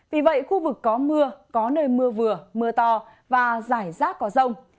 vì vậy khu vực có mưa có nơi mưa vừa mưa to và rải rác có rông